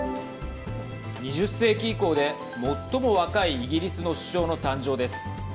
２０世紀以降で最も若いイギリスの首相の誕生です。